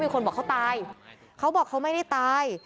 คนบอกเขาตายเขาบอกเขาไม่ได้ตาย